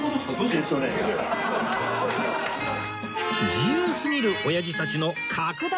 自由すぎるおやじたちの拡大